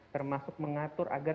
termasuk mengatur agar